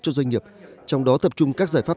cho doanh nghiệp trong đó tập trung các giải pháp